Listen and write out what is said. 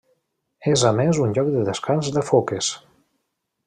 És a més un lloc de descans de foques.